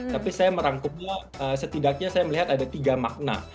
tapi saya merangkumnya setidaknya saya melihat ada tiga makna